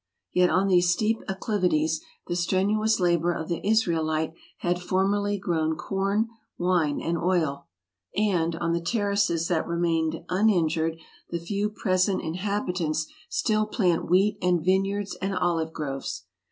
Yet on these steep acclivities the strenuous labor of the Israelite had formerly grown corn, wine, and oil; and, on the terraces that remained uninjured the few present inhabitants still plant wheat and vineyards and olive groves.